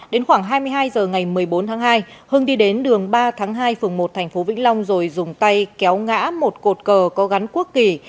đến khoảng hai mươi hai h ngày một mươi bốn tháng hai hưng đi đến đường ba tháng hai phường một tp vĩnh long rồi dùng tay kéo ngã một cột cờ có gắn quốc kỳ